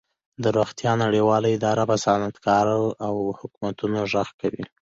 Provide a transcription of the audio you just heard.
د روغتیا نړیواله اداره په صنعتکارو او حکومتونو غږ کوي